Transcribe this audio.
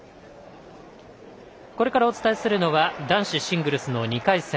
これからお伝えするのは男子シングルスの２回戦。